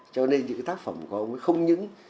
cho nên những cái tác phẩm của ông ấy không những